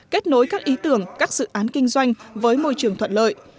kết nối các ý tưởng các dự án kinh doanh với môi trường thuận lợi